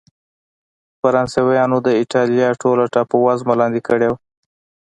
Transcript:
فرانسویانو د اېټالیا ټوله ټاپو وزمه لاندې کړې وه.